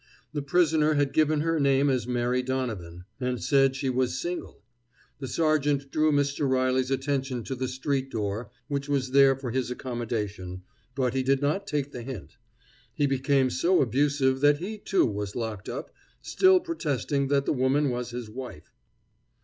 The prisoner had given her name as Mary Donovan and said she was single. The sergeant drew Mr. Reilly's attention to the street door, which was there for his accommodation, but he did not take the hint. He became so abusive that he, too, was locked up, still protesting that the woman was his wife.